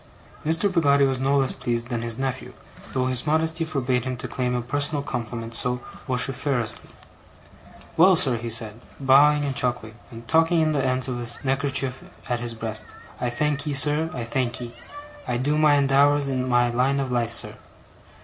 Mr. Peggotty was no less pleased than his nephew, though his modesty forbade him to claim a personal compliment so vociferously. 'Well, sir,' he said, bowing and chuckling, and tucking in the ends of his neckerchief at his breast: 'I thankee, sir, I thankee! I do my endeavours in my line of life, sir.